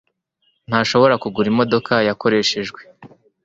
ntashobora kugura imodoka yakoreshejwe